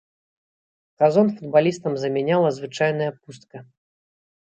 Газон футбалістам замяняла звычайная пустка.